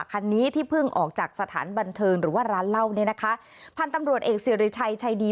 ก็เหมือนว่าเขาอยากได้อะไรอะไรอย่างนี้